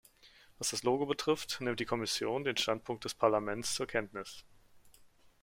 Was das Logo betrifft, nimmt die Kommission den Standpunkt des Parlaments zur Kenntnis.